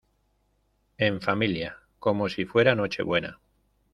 en familia, como si fuera Nochebuena.